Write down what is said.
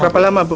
berapa lama bu